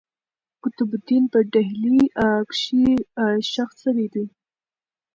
قطب الدین په ډهلي کښي ښخ سوی دئ.